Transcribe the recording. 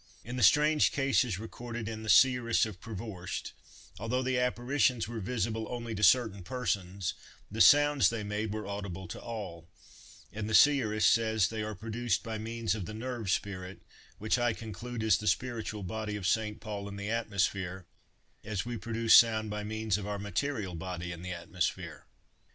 In the strange cases recorded in "The Seeress of Prevorst," although the apparitions were visible only to certain persons, the sounds they made were audible to all; and the seeress says they are produced by means of the nerve spirit, which I conclude is the spiritual body of St. Paul and the atmosphere, as we produce sound by means of our material body and the atmosphere.